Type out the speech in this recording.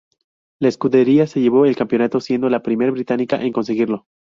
La escudería se llevó el campeonato, siendo la primera británica en conseguirlo.